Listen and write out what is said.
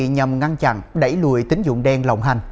nhằm ngăn chặn đẩy lùi tính dụng đen lộng hành